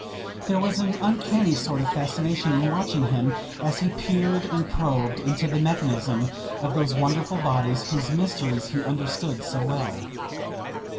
There was an uncanny sort of fascination in watching him, as he peered and probed into the mechanism of those wonderful bodies, whose mysteries he understood so well.